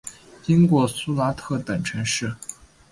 经过苏拉特等城市。